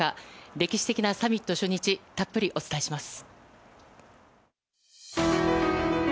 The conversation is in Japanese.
歴史的なサミット初日たっぷりお伝えします。